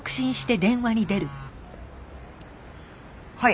はい。